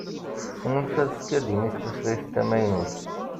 Tesnulfa-d tkadimit tutlayt tamaynut.